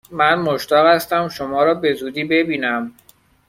من مشتاق هستم شما را به زودی ببینم!